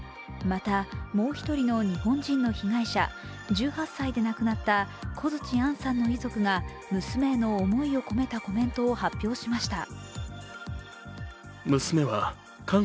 また、もう１人の日本人の被害者、１８歳で亡くなった小槌杏さんの遺族が娘への思いを込めたコメントを発表しました。